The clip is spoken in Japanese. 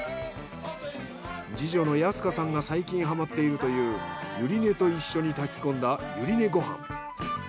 次女の安加さんが最近ハマっているというユリ根と一緒に炊き込んだユリ根ご飯。